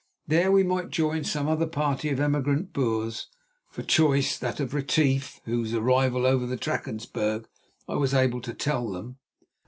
There we might join some other party of the emigrant Boers—for choice, that of Retief, of whose arrival over the Drakensberg I was able to tell them.